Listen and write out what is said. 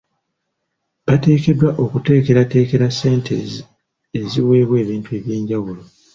Bateekeddwa okuteekerateekera ssente eziweebwa ebintu eby'enjawulo.